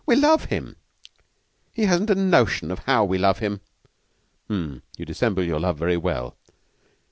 "We love him. He hasn't a notion how we love him." "H'm! You dissemble your love very well.